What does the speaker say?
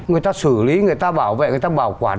người ta xử lý người ta bảo vệ người ta bảo quản